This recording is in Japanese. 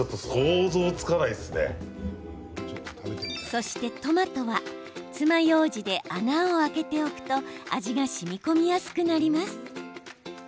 そして、トマトはつまようじで穴を開けておくと味がしみこみやすくなります。